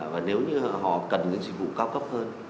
và nếu như họ cần những dịch vụ cao cấp hơn